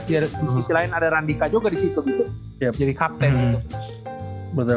ya di sisi lain ada randika juga di situ gitu jadi kapten gitu